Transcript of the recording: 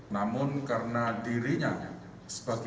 namun karena dirinya sebagai